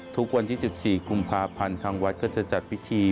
ทุกวันที่๑๔กุมภาพรรณทางวัด